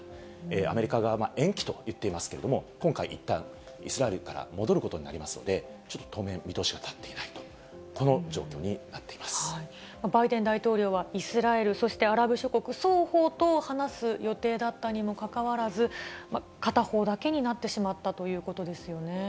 アメリカ側は延期といっていますけれども、今回、いったんイスラエルから戻ることになりますので、ちょっと当面、見通しは立っていバイデン大統領はイスラエル、そしてアラブ諸国双方と話す予定だったにもかかわらず、片方だけになってしまったということですよね。